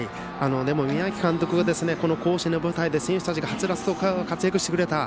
宮秋監督が甲子園の舞台で選手たちがはつらつと活躍してくれた。